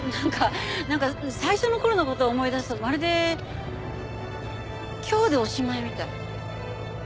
なんか最初の頃の事を思い出すとまるで今日でおしまいみたい。